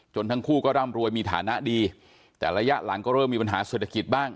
ทั้งคู่ก็ร่ำรวยมีฐานะดีแต่ระยะหลังก็เริ่มมีปัญหาเศรษฐกิจบ้าง